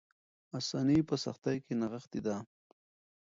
آساني په سختۍ کې نغښتې ده.